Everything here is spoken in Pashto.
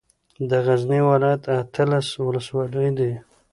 د غزني ولايت اتلس ولسوالۍ دي